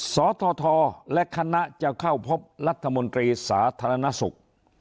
สทและคณะจะเข้าพบรัฐมนตรีสาธารณสุข